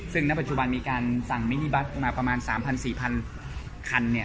ซึ่งณปัจจุบันมีการสั่งมินิบัสมาประมาณ๓๐๐๔๐๐คัน